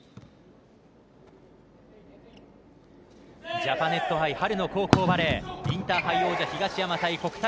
ジャパネット杯春の高校バレーインターハイ王者東山対国体